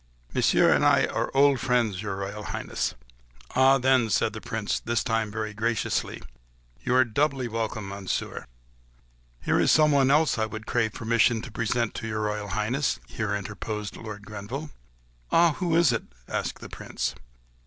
"Monsieur and I are old friends, your Royal Highness." "Ah, then," said the Prince, this time very graciously, "you are doubly welcome, Monsieur." "There is someone else I would crave permission to present to your Royal Highness," here interposed Lord Grenville. "Ah! who is it?" asked the Prince.